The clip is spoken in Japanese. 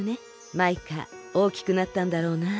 マイカおおきくなったんだろうなあ。